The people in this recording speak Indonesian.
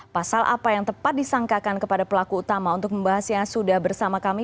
pasal apa yang tepat disangkakan kepada pelaku utama untuk membahasnya sudah bersama kami